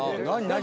何？